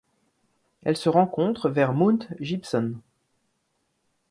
Elle se rencontre vers Mount Gibson.